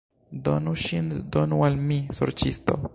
Donu ŝin, donu al mi, sorĉisto!